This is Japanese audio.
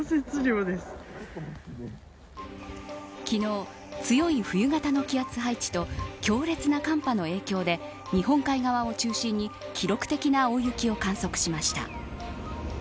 昨日、強い冬型の気圧配置と強烈な寒波の影響で日本海側を中心に記録的な大雪を観測しました。